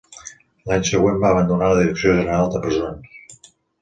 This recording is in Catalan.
L'any següent va abandonar la Direcció general de Presons.